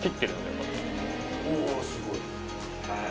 おすごい。